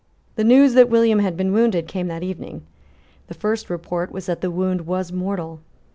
The news that William had been wounded came that evening. The first report was that the wound was mortal.